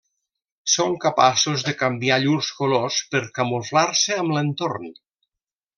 Són capaços de canviar llurs colors per camuflar-se amb l'entorn.